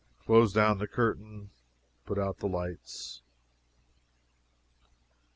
Close down the curtain. Put out the lights.